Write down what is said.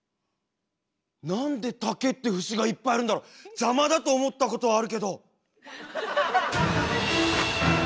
なんで竹って節がいっぱいあるんだろ邪魔だと思ったことはあるけど！